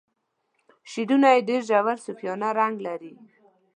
شعرونه یې ډیر ژور صوفیانه رنګ لري.